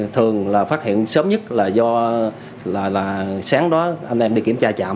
thường là phát hiện sớm nhất là do là sáng đó anh em đi kiểm tra trạm